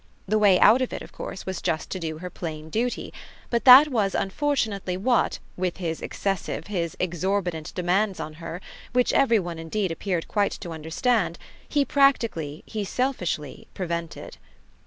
The way out of it of course was just to do her plain duty; but that was unfortunately what, with his excessive, his exorbitant demands on her, which every one indeed appeared quite to understand, he practically, he selfishly prevented.